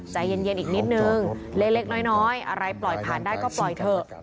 ใจเย็นอีกนิดนึงเล็กน้อยอะไรปล่อยผ่านได้ก็ปล่อยเถอะ